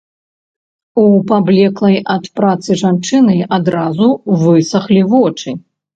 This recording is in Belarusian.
У паблеклай ад працы жанчыны адразу высахлі вочы.